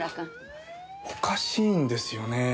おかしいんですよねえ。